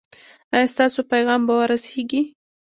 ایا ستاسو پیغام به ورسیږي؟